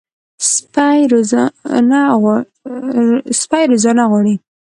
سپي روزنه غواړي.